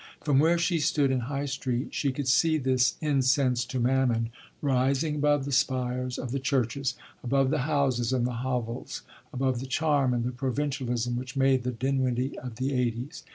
From where she stood in High Street, she could see this incense to Mammon rising above the spires of the churches, above the houses and the hovels, above the charm and the provincialism which made the Dinwiddie of the eighties.